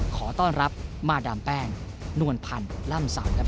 ขอต้อนรับมาดามแป้งนวลพันธ์ล่ำเสาครับ